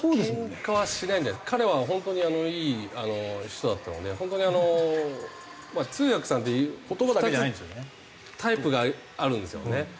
けんかはしないんじゃ彼は本当にいい人だったので本当にあの通訳さんって２つタイプがあるんですよね。